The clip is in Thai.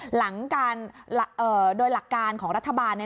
หลังโดยหลักการของรัฐบาล